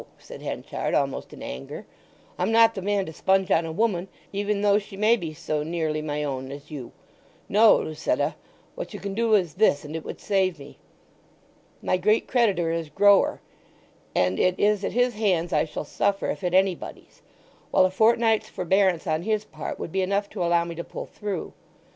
said Henchard, almost in anger. "I'm not the man to sponge on a woman, even though she may be so nearly my own as you. No, Lucetta; what you can do is this and it would save me. My great creditor is Grower, and it is at his hands I shall suffer if at anybody's; while a fortnight's forbearance on his part would be enough to allow me to pull through.